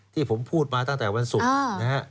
ที่ผมพูดมาตั้งแต่วันศุกร์นะฮะ